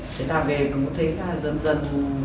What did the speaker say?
thế là về cũng thấy là dần dần